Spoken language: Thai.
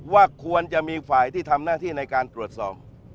ว่าควรจะมีฝ่ายที่ทำหน้าที่ในการตรวจสอบ